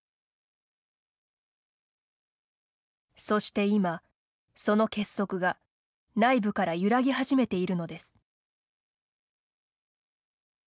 そして今、その結束が内部から揺らぎ始めているのです。